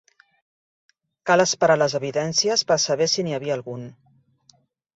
Cal esperar les evidències per saber si n'hi havia algun.